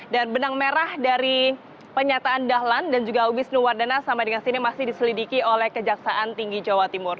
dan benang merah dari pernyataan dahlan dan juga wisnu wardana sama dengan sini masih diselidiki oleh kejaksaan tinggi jawa timur